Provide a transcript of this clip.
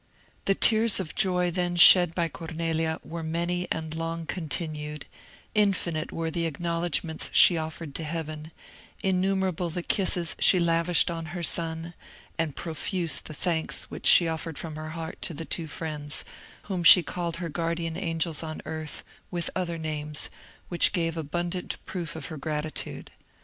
The tears of joy then shed by Cornelia were many and long continued; infinite were the acknowledgments she offered to Heaven, innumerable the kisses she lavished on her son, and profuse the thanks which she offered from her heart to the two friends, whom she called her guardian angels on earth, with other names, which gave abundant proof of her gratitude.